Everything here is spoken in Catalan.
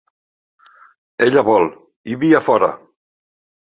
Ella vol, i via fora!